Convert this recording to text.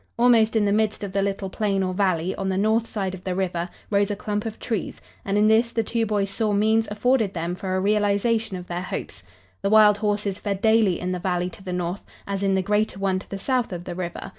Almost in the midst of the little plain or valley, on the north side of the river, rose a clump of trees, and in this the two boys saw means afforded them for a realization of their hopes. The wild horses fed daily in the valley to the north, as in the greater one to the south of the river.